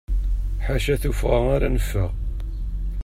Ḥaca tuffɣa ara neffeɣ.